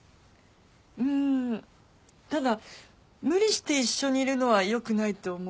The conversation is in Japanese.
んただ無理して一緒にいるのはよくないと思うよ。